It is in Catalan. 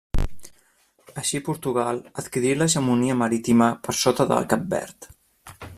Així Portugal adquirí l'hegemonia marítima per sota el Cap Verd.